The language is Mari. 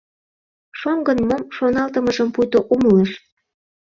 Шоҥгын мом шоналтымыжым пуйто умылыш.